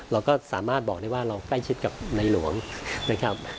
เราก็สามารถบอกได้ว่าเราใกล้ชิดกับในหลวงนะครับ